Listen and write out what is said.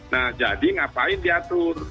nah jadi ngapain diatur